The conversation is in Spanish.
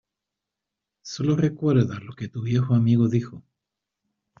Sólo recuerda lo que tu viejo amigo dijo.